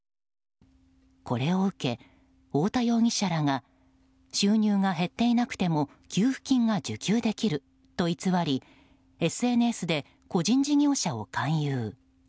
これを受け、太田容疑者らが収入が減っていなくても給付金が受給できると偽りＳＮＳで個人事業者を勧誘。